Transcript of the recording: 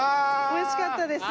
おいしかったです。